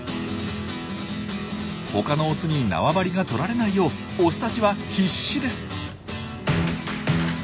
他のオスに縄張りがとられないようオスたちは必死です。